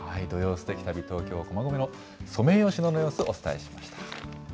すてき旅、東京・駒込のソメイヨシノの様子をお伝えしました。